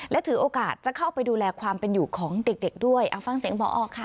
และถือโอกาสจะเข้าไปดูแลความเป็นอยู่ของเด็กเด็กด้วยเอาฟังเสียงพอค่ะ